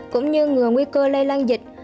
cũng như ngừa nguy cơ lây lan dịch